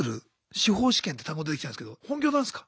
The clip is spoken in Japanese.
司法試験って単語出てきたんですけど本業なんすか？